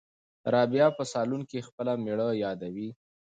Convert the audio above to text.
رابعه په صالون کې خپله مېړه یادوي.